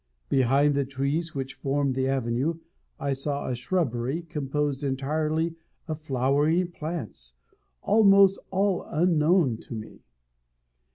Behind the trees which formed the avenue, I saw a shrubbery, composed entirely of flowering plants, almost all unknown to me.